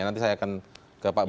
nanti saya akan ke pak bambang